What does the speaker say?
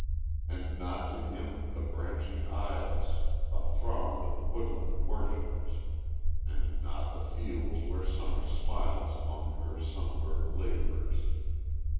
And naught to him the branching aisles, Athrong with woodland worshippers, And naught the fields where summer smiles Among her sunburned laborers.